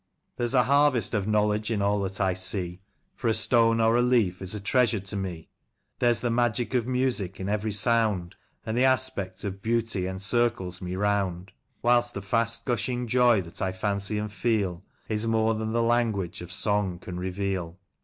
(•••••• There's a harvest of knowledge in all that I see, ^ For a stone or a leaf is a treasure to me ; There's the magic of music in every sound, And the aspect of beauty encircles me round ; Whilst the fast gushing joy that I fancy and feel Is more than the language of song can reveal.